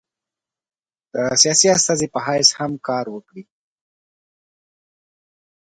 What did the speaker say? سیاسي استازي په حیث هم کار وکړي.